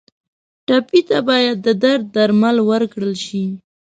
ټپي ته باید د درد درمل ورکړل شي.